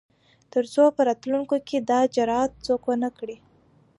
تر څو په راتلونکو کې دا جرات څوک ونه کړي.